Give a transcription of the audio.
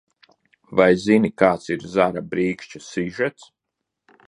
"Vai zini, kāds ir "Zara brīkšķa" sižets?"